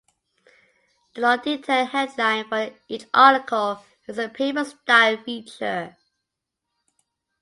The long detailed headline for each article is the paper's style feature.